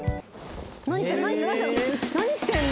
何してるの？